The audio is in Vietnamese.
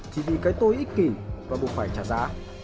chỉ vì cái tôi ích kỳ và buộc phải trả giá